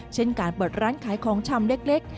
เช่นการเปิดร้านขายของชำเล็ก